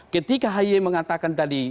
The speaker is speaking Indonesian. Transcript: ketika hayi mengatakan tadi